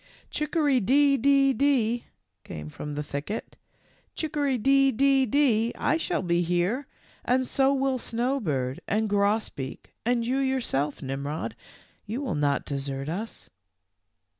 " Chick er dee, dee, dee," came from the thicket ; w Chicker dee dee dee, I shall be here, and so will Snowbird and Grosbeak and you, yourself, Nimrod ; you will not desert us."